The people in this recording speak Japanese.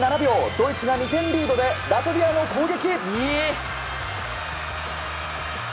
ドイツが２点リードでラトビアの攻撃。